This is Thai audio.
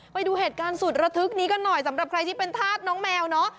ไปดูเหตุการณ์สุดระทึกนี้กันหน่อยสำหรับใครที่เป็นธาตุน้องแมวเนอะ